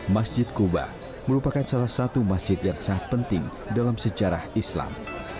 masjid kuba merupakan salah satu masjid yang sangat penting dalam sejarah islam